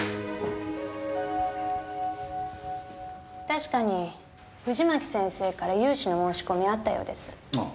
確かに藤巻先生から融資の申し込みあったようです。ああ。